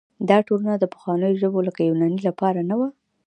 دا ټولنه د پخوانیو ژبو لکه یوناني لپاره نه وه.